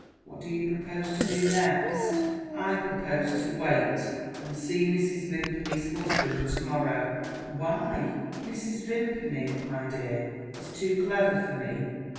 "What do you propose to do next?" "I propose to wait, and see Mrs. Vimpany's husband to morrow." "Why?" "Mrs. Vimpany, my dear, is too clever for me.